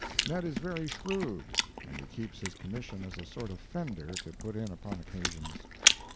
Ned is very shrewd, and he keeps his commission as a sort of fender to put in upon occasions.